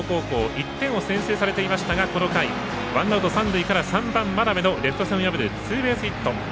１点を先制されていましたがこの回ワンアウト、三塁から３番、眞邉のレフト線を破るツーベースヒット。